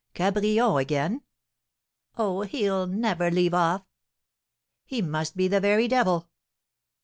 "Cabrion again?" "Oh, he'll never leave off." "He must be the very devil!"